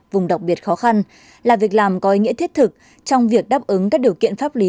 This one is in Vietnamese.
vùng đặc biệt khó khăn là việc làm có ý nghĩa thiết thực trong việc đáp ứng các điều kiện pháp lý